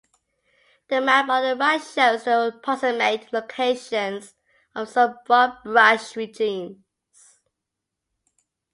The map on the right shows the approximate locations of some broad-brush regions.